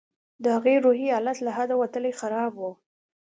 د هغې روحي حالت له حده وتلى خراب و.